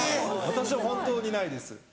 私は本当にないです。